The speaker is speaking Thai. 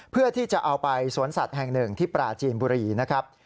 เพื่อที่จะเอาไปสวนสัตว์แห่งหนึ่งที่ปราจีนบุรีนะครับ